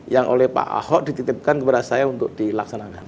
yang oleh pak ahok dititipkan kepada saya untuk dilaksanakan